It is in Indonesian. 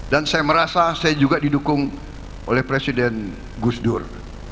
dan saya merasa saya juga didukung oleh presiden gusdur